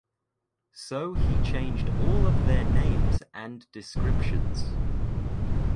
So he changed all of their names and descriptions.